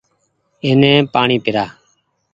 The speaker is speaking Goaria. اني پآڻيٚ پيرآ